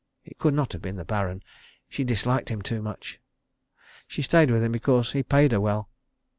It could not have been the Baron. She disliked him too much. She stayed with him because he paid her well.